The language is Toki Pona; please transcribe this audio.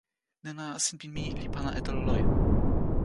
nena sinpin mi li pana e telo loje.